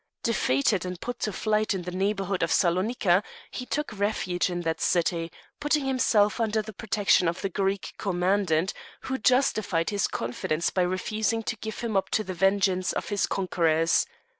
Defeated and put to flight in the neighbourhood of Salonica, he took refuge in that city, putting himself under the protection of the Greek commandant, who justified his confidence by refusing to give him up to the vengeance of his conquerors.